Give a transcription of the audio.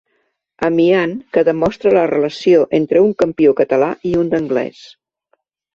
Amiant que demostra la relació entre un campió català i un d'anglès.